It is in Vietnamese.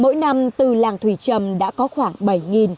mỗi năm từ làng thủy trầm đã có khoảng